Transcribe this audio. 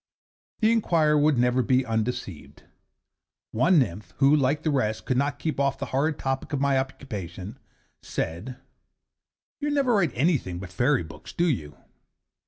The inquirer would never be undeceived. One nymph who, like the rest, could not keep off the horrid topic of my occupation, said 'You never write anything but fairy books, do you?